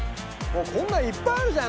こんなのいっぱいあるじゃん！